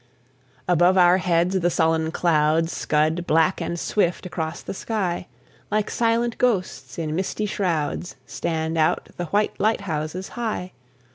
Above our heads the sullen clouds Scud, black and swift, across the sky; Like silent ghosts in misty shrouds Stand out the white lighthouses high.